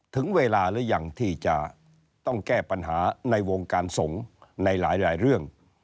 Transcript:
ถึงเวลาหรือยังที่จะต้องแก้ปัญหาในวงการสงฆ์ในหลายเรื่อง